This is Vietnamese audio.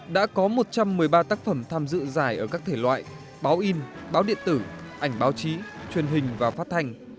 đã có một trăm một mươi ba tác phẩm tham dự giải ở các thể loại báo in báo điện tử ảnh báo chí truyền hình và phát thanh